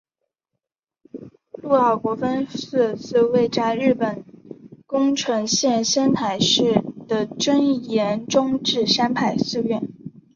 陆奥国分寺是位在日本宫城县仙台市的真言宗智山派寺院。